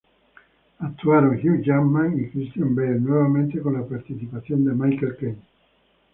Actuaron Hugh Jackman y Christian Bale, nuevamente con la participación de Michael Caine.